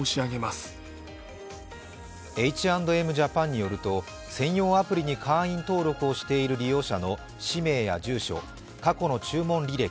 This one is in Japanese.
Ｈ＆ＭＪａｐａｎによると専用アプリに会員登録をしている利用者の氏名や住所、過去の注文履歴